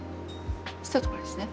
スタートこれですね。